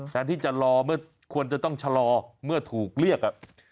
แทนที่จะรอเมื่อควรจะต้องชะลอเมื่อถูกเรียก